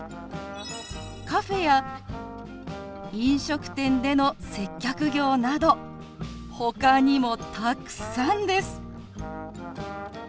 「カフェや飲食店での接客業」などほかにもたくさんです。